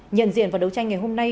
nhận diện vào đấu tranh ngày hôm nay